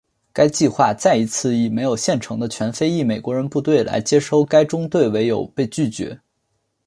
该计划再一次以没有现成的全非裔美国人部队来接收该中队为由被拒绝。